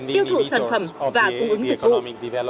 tiêu thụ sản phẩm và cung ứng dịch vụ